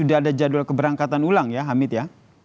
tidak ada jadwal keberangkatan ulang ya hamid ya